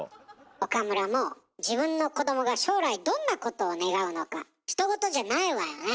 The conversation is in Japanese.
岡村も自分の子どもが将来、どんなことを願うのかひと事じゃないわよね？